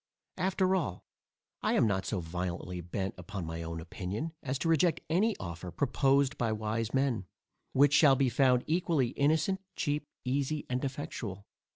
After all, I am not so violently bent upon my own opinion, as to reject any offer, proposed by wise men, which shall be found equally innocent, cheap, easy, and effectual.